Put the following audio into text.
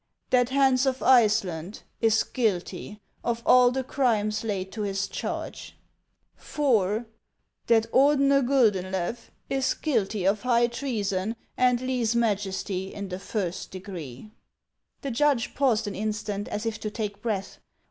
That Hans of Iceland is guilty of all the crimes laid to his charge ;" IV. That Ordener Guldeulew is guilty of high treason and leze majesty in the first degree," The judge paused an instant as if to take breath.